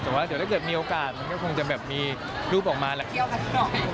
แต่ว่าถ้าเกิดมีโอกาสก็คงจะแบบมีรูปออกมาแหละครับ